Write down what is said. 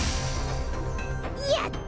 やった！